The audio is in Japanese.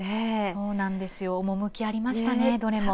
そうなんですよ趣ありましたね、どれも。